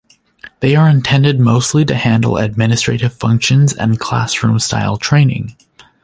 They are intended mostly to handle administrative functions and classroom style training.